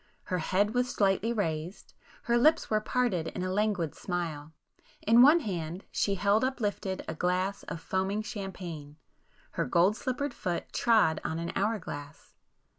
Her head was slightly raised,—her lips were parted in a languid smile,—in one hand she held up lifted a glass of foaming champagne,—her gold slippered foot trod on an hour glass.